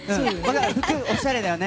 服、おしゃれだよね。